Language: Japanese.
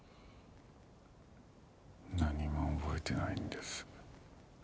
何も覚えてないんです。